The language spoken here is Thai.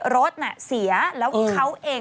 รถน่ะเสียแล้วเขาเอง